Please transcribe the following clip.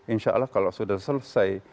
insya allah kalau sudah selesai